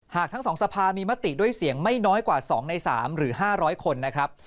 ทั้ง๒สภามีมติด้วยเสียงไม่น้อยกว่า๒ใน๓หรือ๕๐๐คนนะครับ